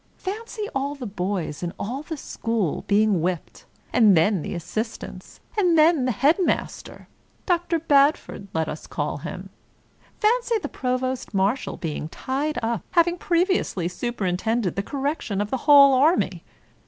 Fancy all the boys in all the school being whipped ; and then the assist ants, and then the headmaster (Dr. Badford let us call him). Fancy the provost marshal being tied up, having previously superintended the correction of the whole army.